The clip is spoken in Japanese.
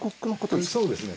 そうですね。